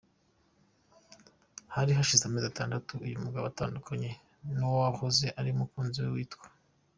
Hari hashize amezi atandatu uyu mugabo atandukanye n’uwahoze ari umukunzi we witwa.